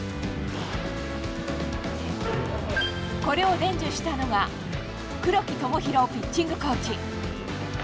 これを伝授したのが、黒木知宏ピッチングコーチ。